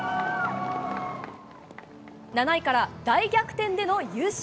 ７位から大逆転での優勝。